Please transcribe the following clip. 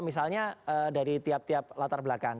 misalnya dari tiap tiap latar belakang